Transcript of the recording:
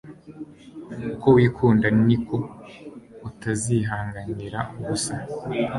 uko wikunda, niko utazihanganira ubusa